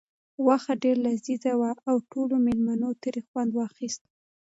غوښه ډېره لذیذه وه او ټولو مېلمنو ترې خوند واخیست.